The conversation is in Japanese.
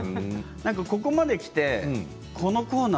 ここまできてこのコーナー